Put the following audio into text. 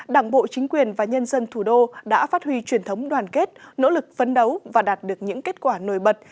đảng bộ chính quyền và nhân dân thủ đô đã phát huy truyền thống đoàn kết nỗ lực phấn đấu và đạt được những kết quả nổi bật